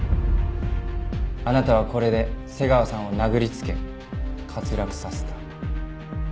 あなたはこれで瀬川さんを殴りつけ滑落させた。